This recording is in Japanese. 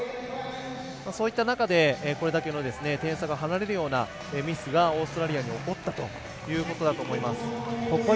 そういった中で、これだけの点差が離れるようなミスがオーストラリアに起こったということだと思います。